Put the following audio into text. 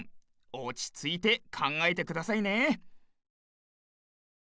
おちついてかんがえてくださいね。